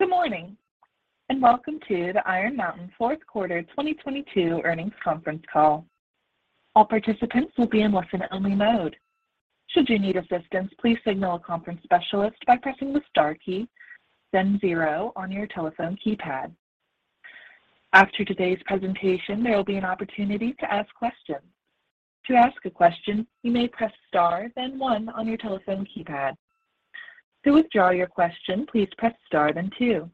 Good morning, and welcome to the Iron Mountain fourth quarter 2022 earnings conference call. All participants will be in listen-only mode. Should you need assistance, please signal a conference specialist by pressing the star key, then zero on your telephone keypad. After today's presentation, there will be an opportunity to ask questions. To ask a question, you may press star, then one on your telephone keypad. To withdraw your question, please press star, then two.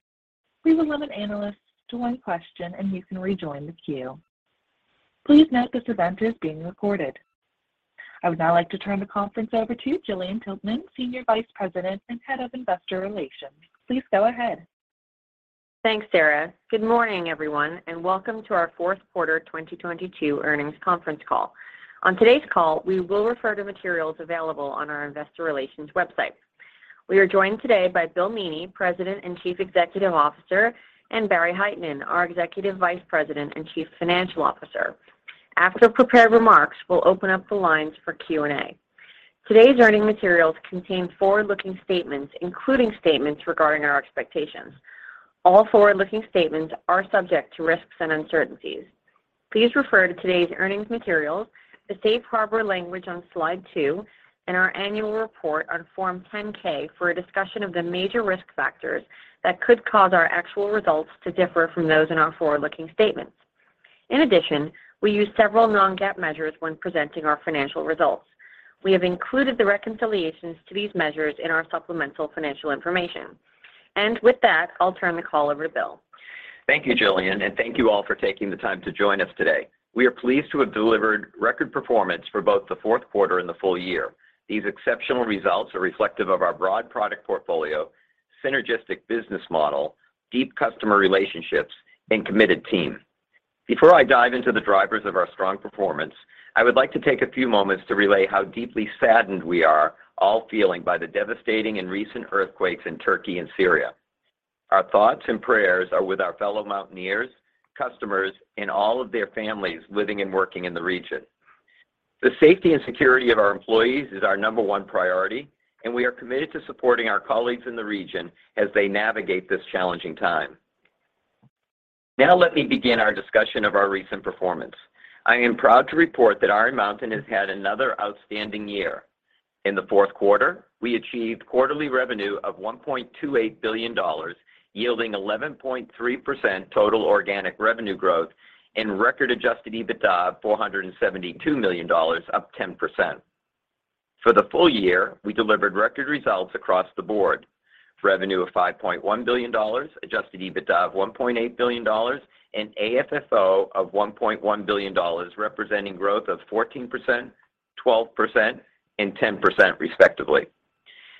We will limit analysts to one question, and you can rejoin the queue. Please note this event is being recorded. I would now like to turn the conference over to Gillian Tiltman, Senior Vice President and Head of Investor Relations. Please go ahead. Thanks, Sarah. Good morning, everyone, and welcome to our fourth quarter 2022 earnings conference call. On today's call, we will refer to materials available on our investor relations website. We are joined today by Bill Meaney, President and Chief Executive Officer, and Barry Hytinen, our Executive Vice President and Chief Financial Officer. After prepared remarks, we'll open up the lines for Q&A. Today's earnings materials contain forward-looking statements, including statements regarding our expectations. All forward-looking statements are subject to risks and uncertainties. Please refer to today's earnings materials, the safe harbor language on slide 2, and our annual report on Form 10-K for a discussion of the major risk factors that could cause our actual results to differ from those in our forward-looking statements. We use several non-GAAP measures when presenting our financial results. We have included the reconciliations to these measures in our supplemental financial information. With that, I'll turn the call over to Bill. Thank you, Gillian, and thank you all for taking the time to join us today. We are pleased to have delivered record performance for both the fourth quarter and the full year. These exceptional results are reflective of our broad product portfolio, synergistic business model, deep customer relationships, and committed team. Before I dive into the drivers of our strong performance, I would like to take a few moments to relay how deeply saddened we are all feeling by the devastating and recent earthquakes in Turkey and Syria. Our thoughts and prayers are with our fellow Mountaineers, customers, and all of their families living and working in the region. The safety and security of our employees is our number one priority, and we are committed to supporting our colleagues in the region as they navigate this challenging time. Now let me begin our discussion of our recent performance. I am proud to report that Iron Mountain has had another outstanding year. In the fourth quarter, we achieved quarterly revenue of $1.28 billion, yielding 11.3% total organic revenue growth and record adjusted EBITDA of $472 million, up 10%. For the full year, we delivered record results across the board. Revenue of $5.1 billion, adjusted EBITDA of $1.8 billion, and AFFO of $1.1 billion, representing growth of 14%, 12%, and 10% respectively.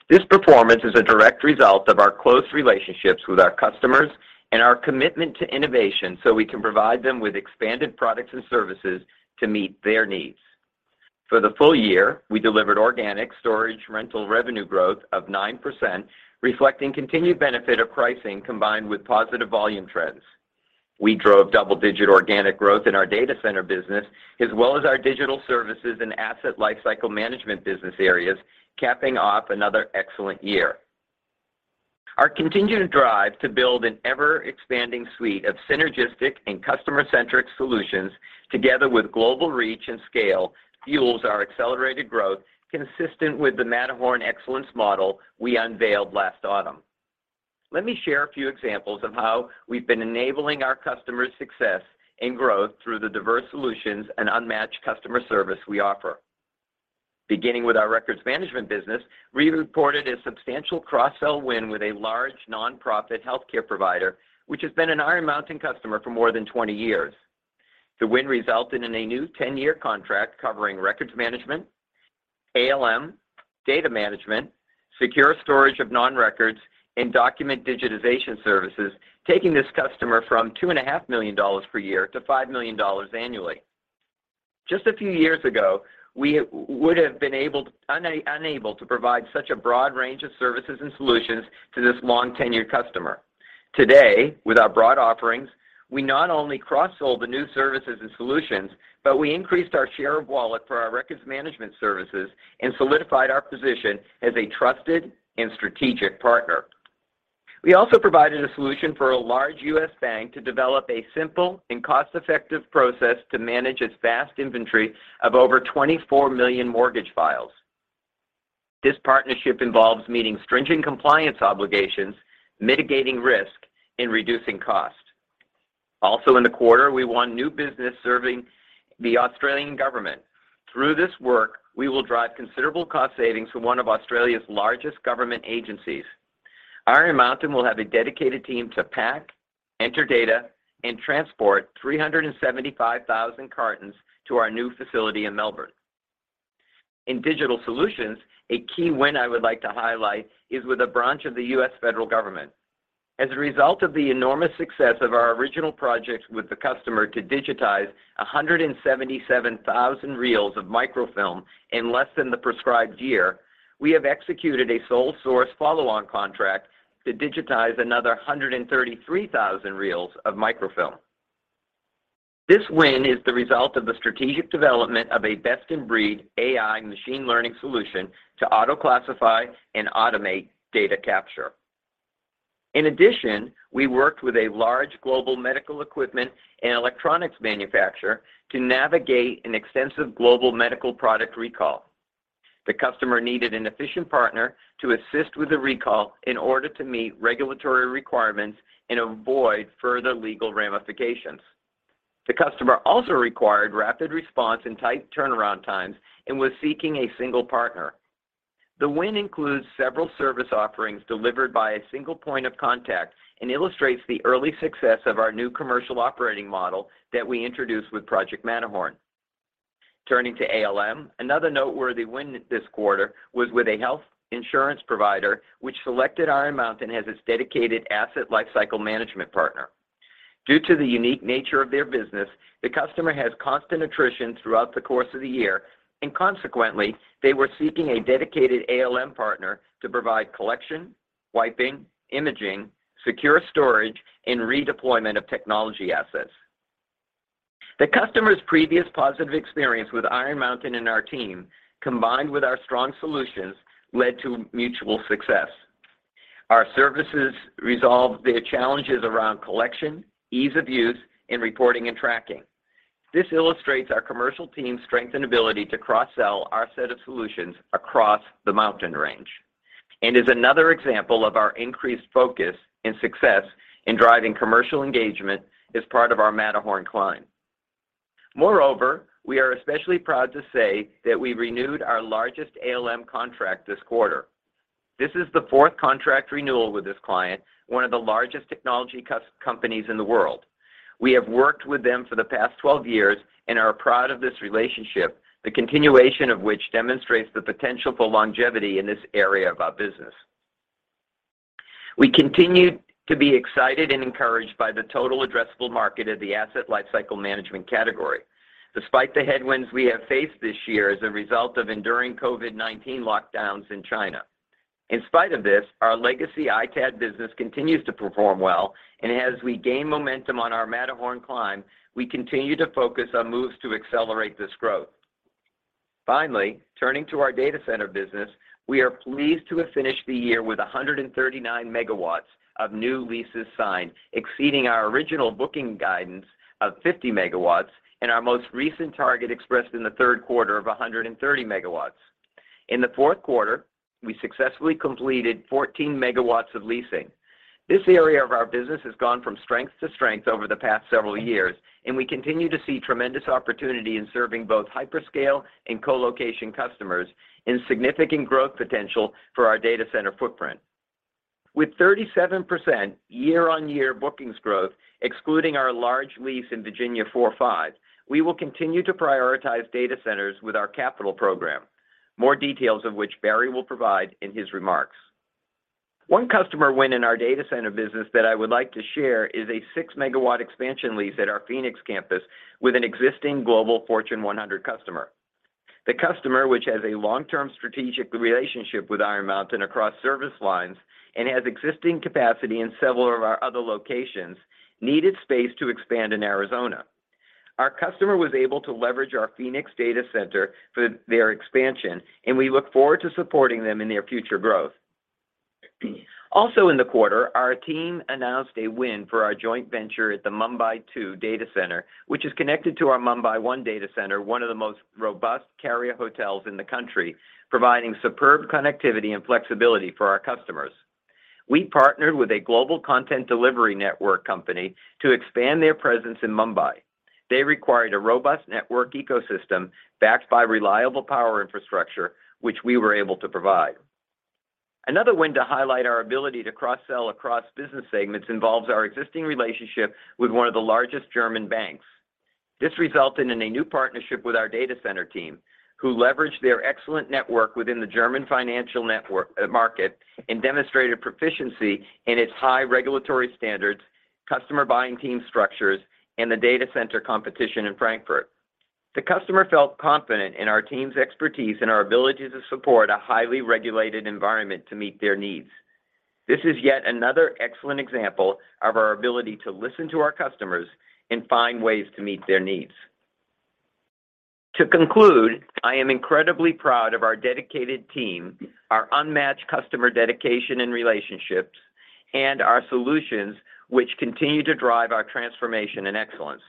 This performance is a direct result of our close relationships with our customers and our commitment to innovation so we can provide them with expanded products and services to meet their needs. For the full year, we delivered organic storage rental revenue growth of 9%, reflecting continued benefit of pricing combined with positive volume trends. We drove double-digit organic growth in our data center business, as well as our digital services and Asset Lifecycle Management business areas, capping off another excellent year. Our continued drive to build an ever-expanding suite of synergistic and customer-centric solutions together with global reach and scale fuels our accelerated growth consistent with the Matterhorn Excellence model we unveiled last autumn. Let me share a few examples of how we've been enabling our customers' success and growth through the diverse solutions and unmatched customer service we offer. Beginning with our records management business, we reported a substantial cross-sell win with a large nonprofit healthcare provider, which has been an Iron Mountain customer for more than 20 years. The win resulted in a new 10-year contract covering records management, ALM, data management, secure storage of non-records, and document digitization services, taking this customer from two and a half million dollars per year to $5 million annually. Just a few years ago, we would have been unable to provide such a broad range of services and solutions to this long-tenured customer. Today, with our broad offerings, we not only cross-sold the new services and solutions, but we increased our share of wallet for our records management services and solidified our position as a trusted and strategic partner. We also provided a solution for a large U.S. bank to develop a simple and cost-effective process to manage its vast inventory of over 24 million mortgage files. This partnership involves meeting stringent compliance obligations, mitigating risk, and reducing cost. Also in the quarter, we won new business serving the Australian government. Through this work, we will drive considerable cost savings for one of Australia's largest government agencies. Iron Mountain will have a dedicated team to pack, enter data, and transport 375,000 cartons to our new facility in Melbourne. In digital solutions, a key win I would like to highlight is with a branch of the U.S. federal government. As a result of the enormous success of our original project with the customer to digitize 177,000 reels of microfilm in less than the prescribed year, we have executed a sole source follow-on contract to digitize another 133,000 reels of microfilm. This win is the result of the strategic development of a best-in-breed AI machine learning solution to auto-classify and automate data capture. In addition, we worked with a large global medical equipment and electronics manufacturer to navigate an extensive global medical product recall. The customer needed an efficient partner to assist with the recall in order to meet regulatory requirements and avoid further legal ramifications. The customer also required rapid response and tight turnaround times and was seeking a single partner. The win includes several service offerings delivered by a single point of contact and illustrates the early success of our new commercial operating model that we introduced with Project Matterhorn. Turning to ALM, another noteworthy win this quarter was with a health insurance provider which selected Iron Mountain as its dedicated asset lifecycle management partner. Due to the unique nature of their business, the customer has constant attrition throughout the course of the year. Consequently, they were seeking a dedicated ALM partner to provide collection, wiping, imaging, secure storage, and redeployment of technology assets. The customer's previous positive experience with Iron Mountain and our team, combined with our strong solutions, led to mutual success. Our services resolved their challenges around collection, ease of use, and reporting and tracking. This illustrates our commercial team's strength and ability to cross-sell our set of solutions across the Mountain range and is another example of our increased focus and success in driving commercial engagement as part of our Matterhorn climb. Moreover, we are especially proud to say that we renewed our largest ALM contract this quarter. This is the fourth contract renewal with this client, one of the largest technology companies in the world. We have worked with them for the past 12 years and are proud of this relationship, the continuation of which demonstrates the potential for longevity in this area of our business. We continue to be excited and encouraged by the total addressable market of the Asset Lifecycle Management category, despite the headwinds we have faced this year as a result of enduring COVID-19 lockdowns in China. In spite of this, our legacy ITAD business continues to perform well, and as we gain momentum on our Matterhorn climb, we continue to focus on moves to accelerate this growth. Finally, turning to our data center business, we are pleased to have finished the year with 139 megawatts of new leases signed, exceeding our original booking guidance of 50 megawatts and our most recent target expressed in the third quarter of 130 megawatts. In the fourth quarter, we successfully completed 14 megawatts of leasing. This area of our business has gone from strength to strength over the past several years, and we continue to see tremendous opportunity in serving both hyperscale and colocation customers and significant growth potential for our data center footprint. With 37% year-on-year bookings growth, excluding our large lease in VA-4 and VA-5, we will continue to prioritize data centers with our capital program, more details of which Barry will provide in his remarks. One customer win in our data center business that I would like to share is a 6-megawatt expansion lease at our Phoenix campus with an existing global Fortune 100 customer. The customer, which has a long-term strategic relationship with Iron Mountain across service lines and has existing capacity in several of our other locations, needed space to expand in Arizona. Our customer was able to leverage our Phoenix data center for their expansion. We look forward to supporting them in their future growth. Also in the quarter, our team announced a win for our joint venture at the Mumbai 2 data center, which is connected to our Mumbai 1 data center, one of the most robust carrier hotels in the country, providing superb connectivity and flexibility for our customers. We partnered with a global content delivery network company to expand their presence in Mumbai. They required a robust network ecosystem backed by reliable power infrastructure, which we were able to provide. Another win to highlight our ability to cross-sell across business segments involves our existing relationship with one of the largest German banks. This resulted in a new partnership with our data center team, who leveraged their excellent network within the German financial network, market and demonstrated proficiency in its high regulatory standards, customer buying team structures, and the data center competition in Frankfurt. The customer felt confident in our team's expertise and our ability to support a highly regulated environment to meet their needs. This is yet another excellent example of our ability to listen to our customers and find ways to meet their needs. I am incredibly proud of our dedicated team, our unmatched customer dedication and relationships, and our solutions, which continue to drive our transformation and excellence.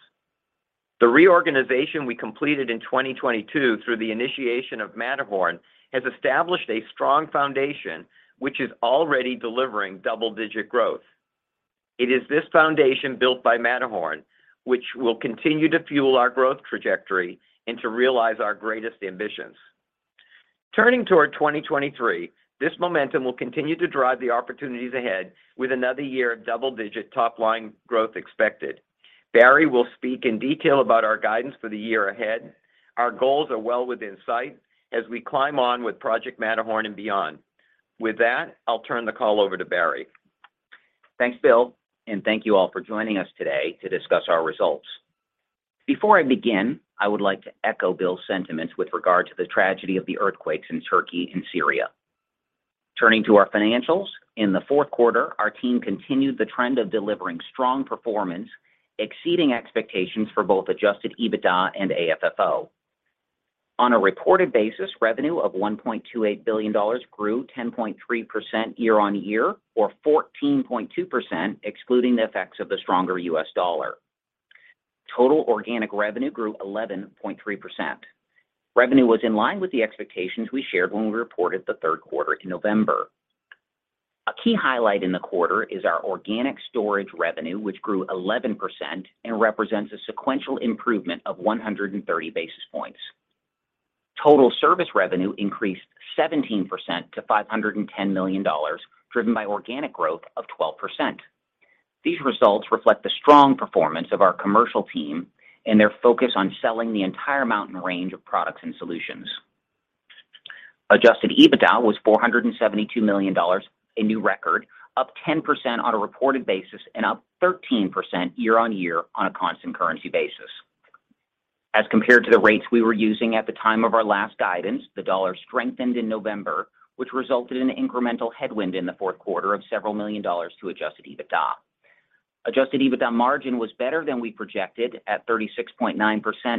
The reorganization we completed in 2022 through the initiation of Matterhorn has established a strong foundation which is already delivering double-digit growth. It is this foundation built by Matterhorn which will continue to fuel our growth trajectory and to realize our greatest ambitions. Turning toward 2023, this momentum will continue to drive the opportunities ahead with another year of double-digit top-line growth expected. Barry will speak in detail about our guidance for the year ahead. Our goals are well within sight as we climb on with Project Matterhorn and beyond. With that, I'll turn the call over to Barry. Thanks, Bill, and thank you all for joining us today to discuss our results. Before I begin, I would like to echo Bill's sentiments with regard to the tragedy of the earthquakes in Turkey and Syria. Turning to our financials, in the fourth quarter, our team continued the trend of delivering strong performance, exceeding expectations for both adjusted EBITDA and AFFO. On a reported basis, revenue of $1.28 billion grew 10.3% year-on-year, or 14.2% excluding the effects of the stronger US dollar. Total organic revenue grew 11.3%. Revenue was in line with the expectations we shared when we reported the third quarter in November. A key highlight in the quarter is our organic storage revenue, which grew 11% and represents a sequential improvement of 130 basis points. Total service revenue increased 17% to $510 million, driven by organic growth of 12%. These results reflect the strong performance of our commercial team and their focus on selling the entire mountain range of products and solutions. Adjusted EBITDA was $472 million, a new record, up 10% on a reported basis and up 13% year-on-year on a constant currency basis. As compared to the rates we were using at the time of our last guidance, the dollar strengthened in November, which resulted in an incremental headwind in the fourth quarter of $several million to Adjusted EBITDA. Adjusted EBITDA margin was better than we projected at 36.9%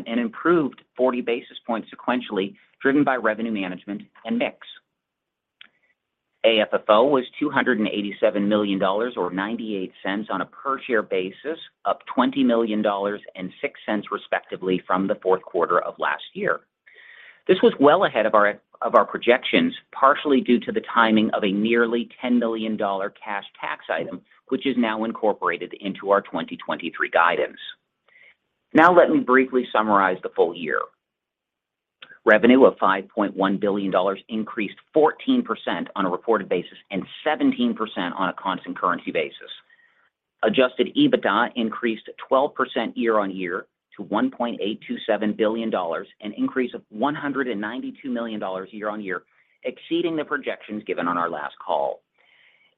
and improved 40 basis points sequentially, driven by revenue management and mix. AFFO was $287 million or $0.98 on a per share basis, up $20 million and $0.06 respectively from the fourth quarter of last year. This was well ahead of our projections, partially due to the timing of a nearly $10 million cash tax item, which is now incorporated into our 2023 guidance. Let me briefly summarize the full year. Revenue of $5.1 billion increased 14% on a reported basis and 17% on a constant currency basis. Adjusted EBITDA increased 12% year-on-year to $1.827 billion, an increase of $192 million year-on-year, exceeding the projections given on our last call.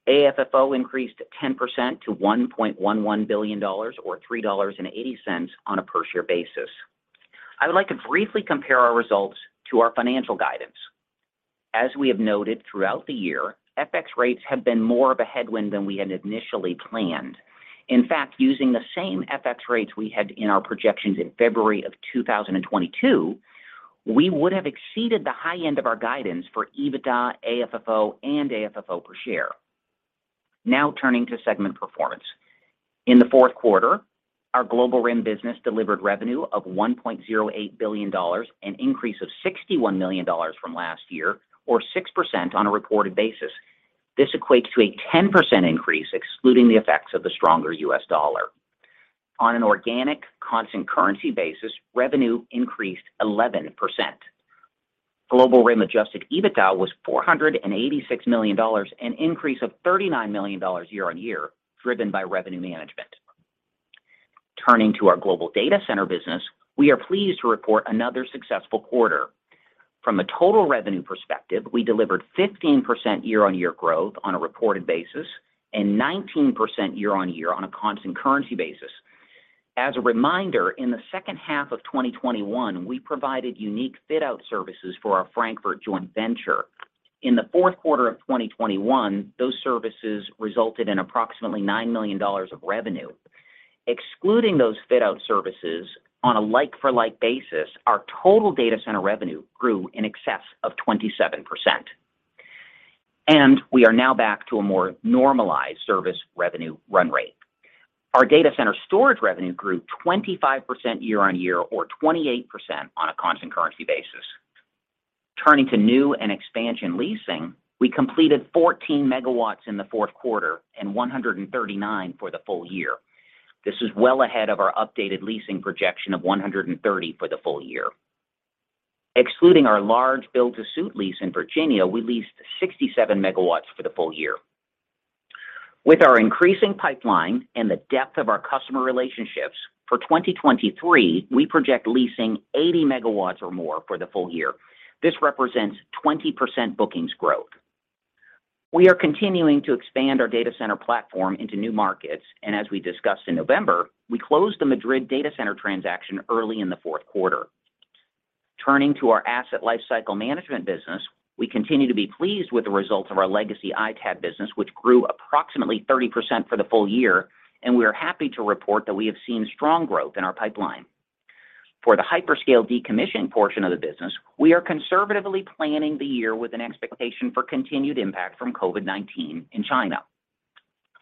AFFO increased 10% to $1.11 billion or $3.80 on a per share basis. I would like to briefly compare our results to our financial guidance. As we have noted throughout the year, FX rates have been more of a headwind than we had initially planned. In fact, using the same FX rates we had in our projections in February of 2022, we would have exceeded the high end of our guidance for EBITDA, AFFO, and AFFO per share. Now turning to segment performance. In the fourth quarter, our Global RIM business delivered revenue of $1.08 billion, an increase of $61 million from last year, or 6% on a reported basis. This equates to a 10% increase excluding the effects of the stronger U.S. dollar. On an organic constant currency basis, revenue increased 11%. Global RIM adjusted EBITDA was $486 million, an increase of $39 million year-on-year, driven by revenue management. Turning to our Global Data Center business, we are pleased to report another successful quarter. From a total revenue perspective, we delivered 15% year-on-year growth on a reported basis and 19% year-on-year on a constant currency basis. As a reminder, in the second half of 2021, we provided unique fit out services for our Frankfurt joint venture. In the fourth quarter of 2021, those services resulted in approximately $9 million of revenue. Excluding those fit out services on a like-for-like basis, our total data center revenue grew in excess of 27%. We are now back to a more normalized service revenue run rate. Our data center storage revenue grew 25% year-over-year or 28% on a constant currency basis. Turning to new and expansion leasing, we completed 14 megawatts in the fourth quarter and 139 for the full year. This is well ahead of our updated leasing projection of 130 for the full year. Excluding our large build to suit lease in Virginia, we leased 67 megawatts for the full year. With our increasing pipeline and the depth of our customer relationships, for 2023, we project leasing 80 megawatts or more for the full year. This represents 20% bookings growth. We are continuing to expand our data center platform into new markets, and as we discussed in November, we closed the Madrid data center transaction early in the fourth quarter. Turning to our Asset Lifecycle Management business, we continue to be pleased with the results of our legacy ITAD business, which grew approximately 30% for the full year, and we are happy to report that we have seen strong growth in our pipeline. For the hyperscale decommission portion of the business, we are conservatively planning the year with an expectation for continued impact from COVID-19 in China.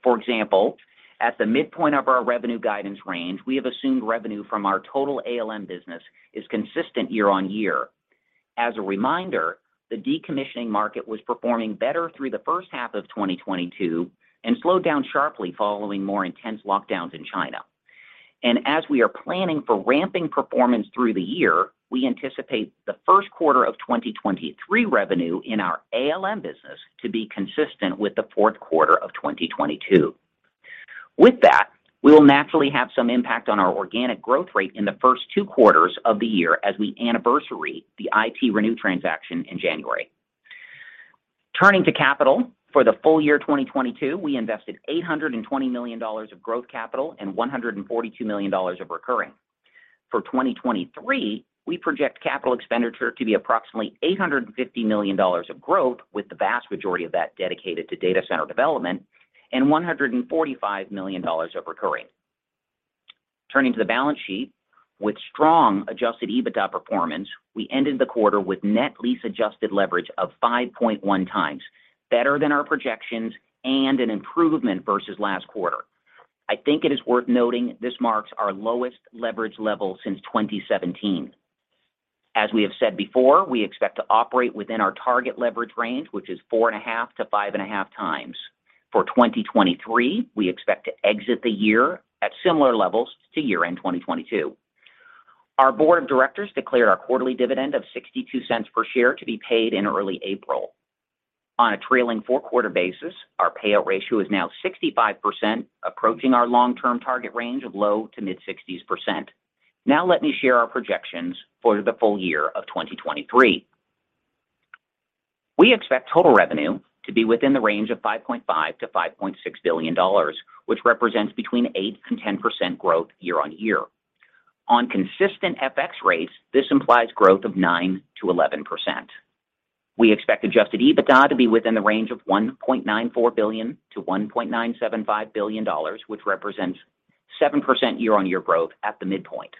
For example, at the midpoint of our revenue guidance range, we have assumed revenue from our total ALM business is consistent year-over-year. As a reminder, the decommissioning market was performing better through the first half of 2022 and slowed down sharply following more intense lockdowns in China. As we are planning for ramping performance through the year, we anticipate the first quarter of 2023 revenue in our ALM business to be consistent with the fourth quarter of 2022. With that, we will naturally have some impact on our organic growth rate in the first 2 quarters of the year as we anniversary the ITRenew transaction in January. Turning to capital, for the full year 2022, we invested $820 million of growth capital and $142 million of recurring. For 2023, we project capital expenditure to be approximately $850 million of growth, with the vast majority of that dedicated to data center development and $145 million of recurring. Turning to the balance sheet. With strong adjusted EBITDA performance, we ended the quarter with net lease adjusted leverage of 5.1x, better than our projections and an improvement versus last quarter. I think it is worth noting this marks our lowest leverage level since 2017. As we have said before, we expect to operate within our target leverage range, which is 4.5x-5.5x. For 2023, we expect to exit the year at similar levels to year-end 2022. Our board of directors declared our quarterly dividend of $0.62 per share to be paid in early April. On a trailing 4-quarter basis, our payout ratio is now 65%, approaching our long term target range of low to mid-60s%. Now let me share our projections for the full year of 2023. We expect total revenue to be within the range of $5.5 billion-$5.6 billion, which represents between 8%-10% growth year-on-year. On consistent FX rates, this implies growth of 9%-11%. We expect adjusted EBITDA to be within the range of $1.94 billion-$1.975 billion, which represents 7% year-on-year growth at the midpoint.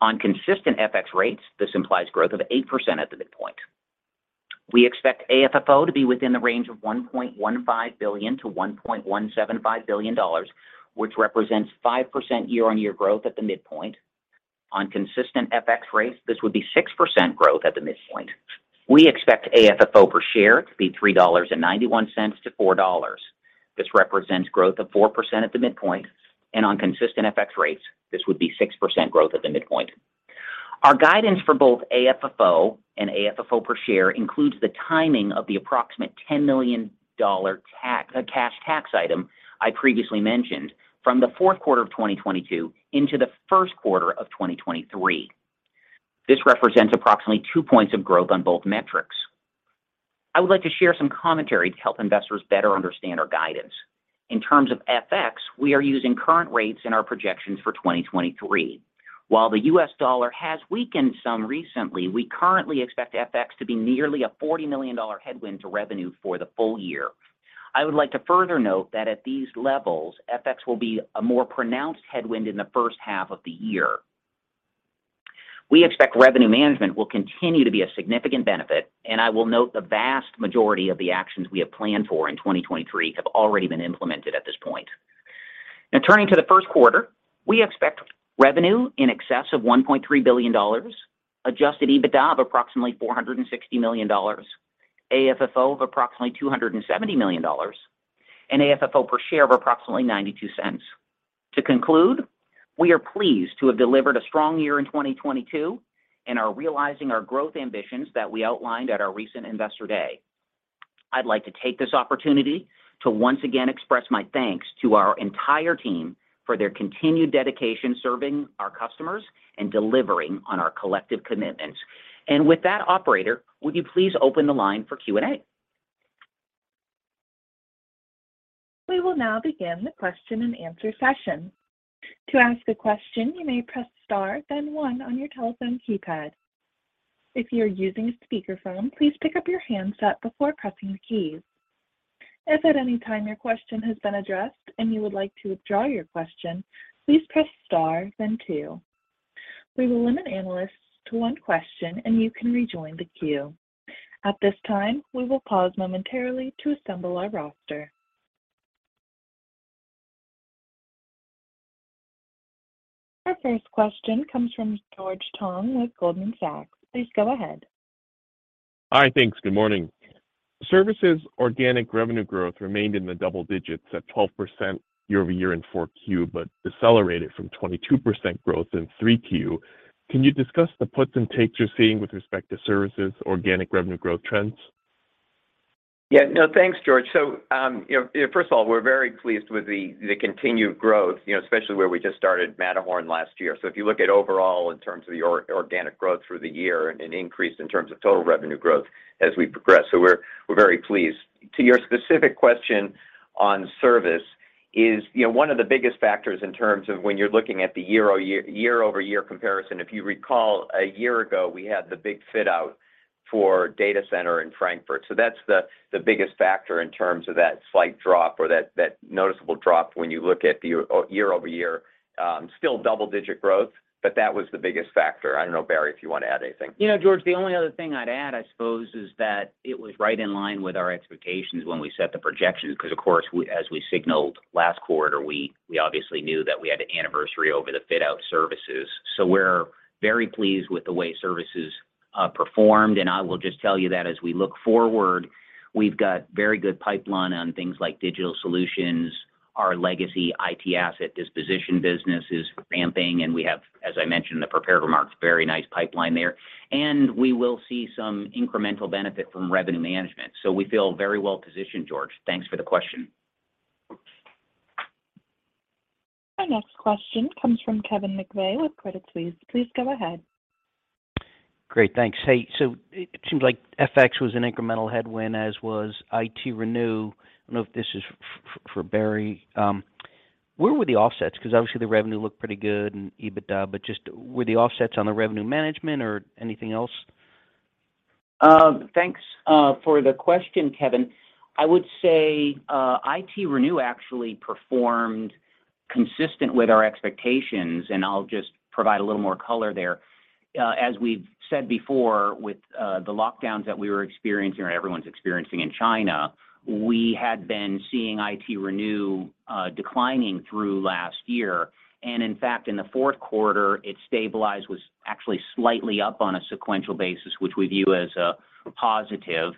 On consistent FX rates, this implies growth of 8% at the midpoint. We expect AFFO to be within the range of $1.15 billion-$1.175 billion, which represents 5% year-on-year growth at the midpoint. On consistent FX rates, this would be 6% growth at the midpoint. We expect AFFO per share to be $3.91-$4.00. This represents growth of 4% at the midpoint, and on consistent FX rates this would be 6% growth at the midpoint. Our guidance for both AFFO and AFFO per share includes the timing of the approximate $10 million cash tax item I previously mentioned from the fourth quarter of 2022 into the first quarter of 2023. This represents approximately two points of growth on both metrics. I would like to share some commentary to help investors better understand our guidance. In terms of FX, we are using current rates in our projections for 2023. While the US dollar has weakened some recently, we currently expect FX to be nearly a $40 million headwind to revenue for the full year. I would like to further note that at these levels, FX will be a more pronounced headwind in the first half of the year. We expect revenue management will continue to be a significant benefit, I will note the vast majority of the actions we have planned for in 2023 have already been implemented at this point. Turning to the first quarter, we expect revenue in excess of $1.3 billion, adjusted EBITDA of approximately $460 million, AFFO of approximately $270 million, AFFO per share of approximately $0.92. To conclude, we are pleased to have delivered a strong year in 2022 and are realizing our growth ambitions that we outlined at our recent Investor Day. I'd like to take this opportunity to once again express my thanks to our entire team for their continued dedication, serving our customers and delivering on our collective commitments. With that, operator, would you please open the line for Q&A? We will now begin the question and answer session. To ask a question, you may press star, then one on your telephone keypad. If you are using a speakerphone, please pick up your handset before pressing the keys. If at any time your question has been addressed and you would like to withdraw your question, please press star then two. We will limit analysts to one question and you can rejoin the queue. At this time, we will pause momentarily to assemble our roster. Our first question comes from George Tong with Goldman Sachs. Please go ahead. Hi. Thanks. Good morning. Services organic revenue growth remained in the double digits at 12% year-over-year in 4Q. Decelerated from 22% growth in 3Q. Can you discuss the puts and takes you're seeing with respect to services organic revenue growth trends? Yeah. No, thanks, George. You know, first of all, we're very pleased with the continued growth, you know, especially where we just started Matterhorn last year. If you look at overall in terms of the organic growth through the year and increased in terms of total revenue growth as we progress. We're very pleased. To your specific question on service is, you know, one of the biggest factors in terms of when you're looking at the year or year-over-year comparison. If you recall, a year ago we had the big fit out for data center in Frankfurt. That's the biggest factor in terms of that slight drop or that noticeable drop when you look at the year or year-over-year. Still double digit growth, but that was the biggest factor. I don't know, Barry, if you want to add anything. You know, George, the only other thing I'd add, I suppose, is that it was right in line with our expectations when we set the projections, because of course, as we signaled last quarter, we obviously knew that we had an anniversary over the fit out services. We're very pleased with the way services performed. I will just tell you that as we look forward, we've got very good pipeline on things like digital solutions. Our legacy IT asset disposition business is ramping, and we have, as I mentioned in the prepared remarks, very nice pipeline there. We will see some incremental benefit from revenue management. We feel very well positioned, George. Thanks for the question. Our next question comes from Kevin McVeigh with Credit Suisse. Please go ahead. Great. Thanks. Hey, it seems like FX was an incremental headwind, as was ITRenew. I don't know if this is for Barry. Where were the offsets? Obviously the revenue looked pretty good and EBITDA, just were the offsets on the revenue management or anything else? Thanks for the question, Kevin. I would say ITRenew actually performed consistent with our expectations, and I'll just provide a little more color there. As we've said before with the lockdowns that we were experiencing or everyone's experiencing in China, we had been seeing ITRenew declining through last year. In fact, in the fourth quarter, it stabilized, was actually slightly up on a sequential basis, which we view as a positive.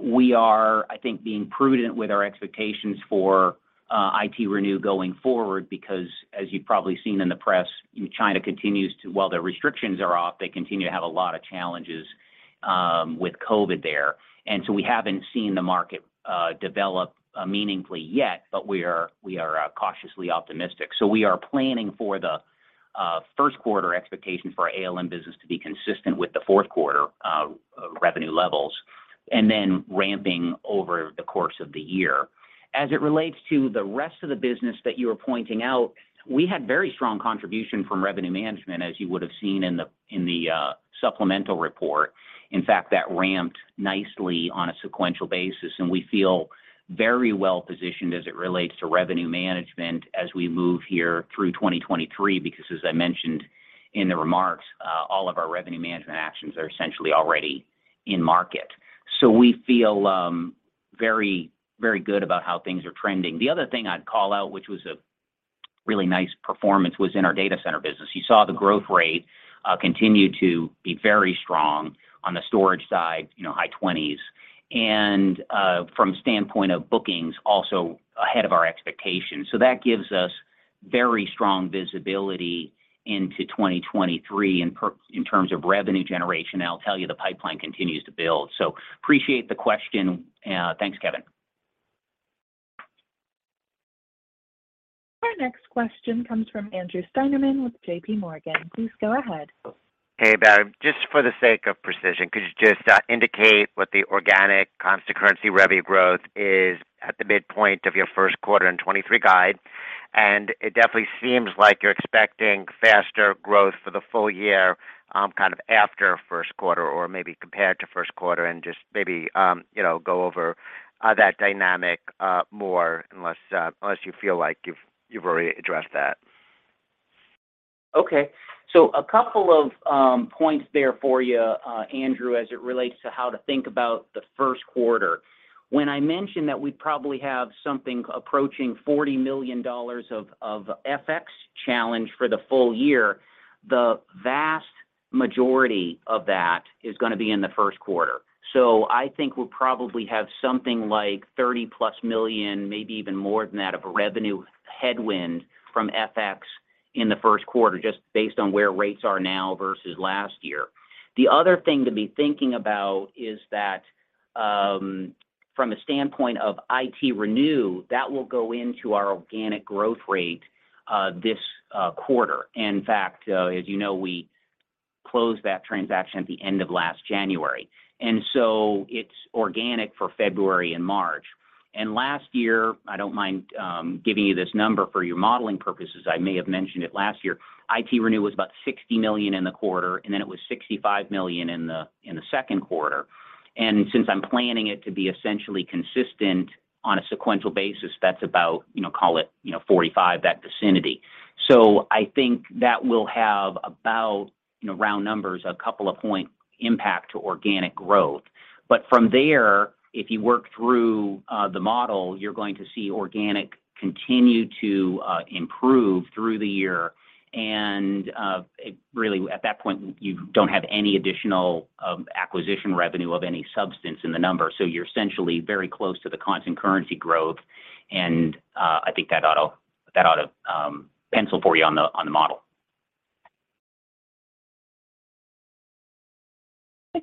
We are, I think, being prudent with our expectations for ITRenew going forward because as you've probably seen in the press, while their restrictions are off, they continue to have a lot of challenges with COVID-19 there. We haven't seen the market develop meaningfully yet, but we are cautiously optimistic. We are planning for the first quarter expectations for our ALM business to be consistent with the fourth quarter revenue levels, and then ramping over the course of the year. As it relates to the rest of the business that you are pointing out, we had very strong contribution from revenue management, as you would've seen in the supplemental report. In fact, that ramped nicely on a sequential basis, and we feel very well-positioned as it relates to revenue management as we move here through 2023, because as I mentioned in the remarks, all of our revenue management actions are essentially already in market. We feel very, very good about how things are trending. The other thing I'd call out, which was a really nice performance, was in our data center business. You saw the growth rate continue to be very strong on the storage side, you know, high 20s%, from standpoint of bookings, also ahead of our expectations. That gives us very strong visibility into 2023 in terms of revenue generation. I'll tell you, the pipeline continues to build. Appreciate the question. Thanks, Kevin. Our next question comes from Andrew Steinerman with JPMorgan. Please go ahead. Hey, Barry. Just for the sake of precision, could you just indicate what the organic constant currency revenue growth is at the midpoint of your first quarter in 23 guide? It definitely seems like you're expecting faster growth for the full year, kind of after first quarter or maybe compared to first quarter and just maybe, you know, go over that dynamic more unless you feel like you've already addressed that. Okay. A couple of points there for you, Andrew, as it relates to how to think about the first quarter. When I mentioned that we probably have something approaching $40 million of FX challenge for the full year, the vast majority of that is gonna be in the first quarter. I think we'll probably have something like $30+ million, maybe even more than that, of a revenue headwind from FX in the first quarter just based on where rates are now versus last year. The other thing to be thinking about is that from a standpoint of ITRenew, that will go into our organic growth rate this quarter. In fact, as you know, we closed that transaction at the end of last January, and so it's organic for February and March. Last year... I don't mind giving you this number for your modeling purposes. I may have mentioned it last year. ITRenew was about $60 million in the quarter, and then it was $65 million in the second quarter. Since I'm planning it to be essentially consistent on a sequential basis, that's about, you know, call it, you know, $45 million, that vicinity. I think that will have about, you know, round numbers a couple of point impact to organic growth. From there, if you work through the model, you're going to see organic continue to improve through the year. It really, at that point, you don't have any additional acquisition revenue of any substance in the number, so you're essentially very close to the constant currency growth. I think that ought to pencil for you on the model.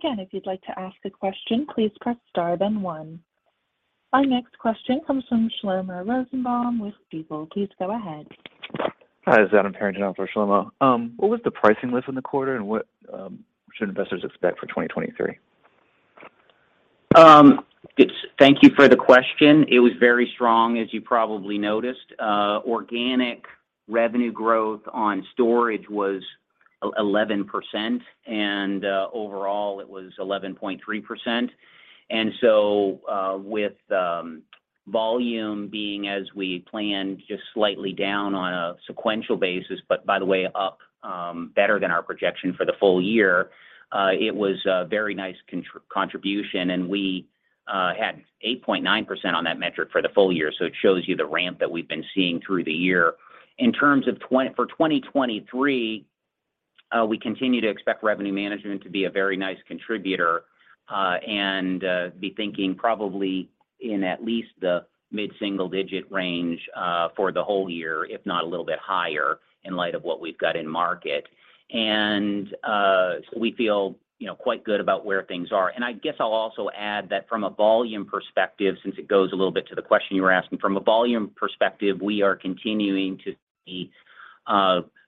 Again, if you'd like to ask a question, please press star then 1. Our next question comes from Shlomo Rosenbaum with Stifel. Please go ahead. Hi, this is Adam Parrington for Shlomo. What was the pricing lift in the quarter, and what should investors expect for 2023? Thank you for the question. It was very strong, as you probably noticed. Organic revenue growth on storage was 11%, and overall it was 11.3%. With volume being as we planned, just slightly down on a sequential basis, but by the way up, better than our projection for the full year, it was a very nice contribution, and we had 8.9% on that metric for the full year. It shows you the ramp that we've been seeing through the year. In terms of for 2023, we continue to expect revenue management to be a very nice contributor, and be thinking probably in at least the mid-single digit range for the whole year, if not a little bit higher in light of what we've got in market. We feel, you know, quite good about where things are. I guess I'll also add that from a volume perspective, since it goes a little bit to the question you were asking. From a volume perspective, we are continuing to see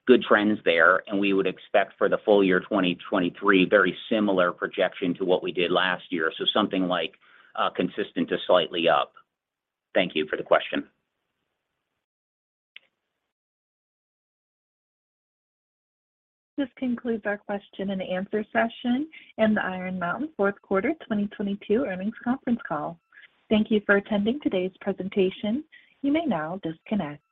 good trends there, and we would expect for the full year 2023, very similar projection to what we did last year. Something like consistent to slightly up. Thank you for the question. This concludes our question and answer session and the Iron Mountain fourth quarter 2022 earnings conference call. Thank you for attending today's presentation. You may now disconnect.